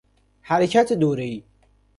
حرکت دوره ای